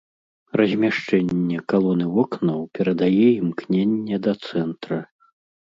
Размяшчэнне калон і вокнаў перадае імкненне да цэнтра.